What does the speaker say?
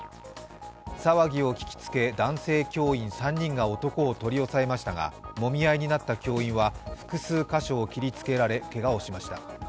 騒ぎを聞きつけ、男性教員３人が男を取り押さえましたが、もみ合いになった教員は複数箇所を切りつけられ、けがをしました。